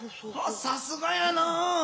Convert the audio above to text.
さすがやな。